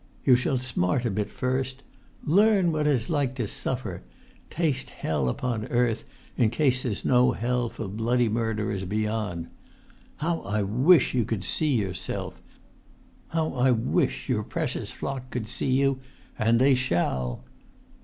You shall smart a bit first—learn what it's like to suffer—taste hell upon earth in case there's no hell for bloody murderers beyond! How I wish you could see yourself! How I wish your precious flock could see you—and they shall.